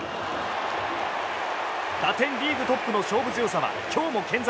打点リーグトップの勝負強さは今日も健在。